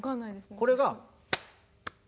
これが。